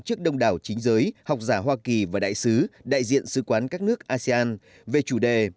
trước đông đảo chính giới học giả hoa kỳ và đại sứ đại diện sứ quán các nước asean về chủ đề